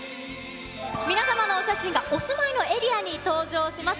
皆様のお写真が、お住まいのエリアに登場します。